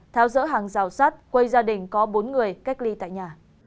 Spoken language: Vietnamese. theo dỡ hàng rào sát quê gia đình có bốn người cách ly tại nhà